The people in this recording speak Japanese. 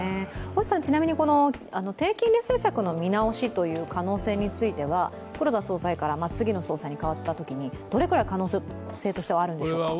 星さん、ちなみに低金利政策の見直しという可能性については黒田総裁から次の総裁に代わったときにどれくらい可能性としてはあるんでしょうか？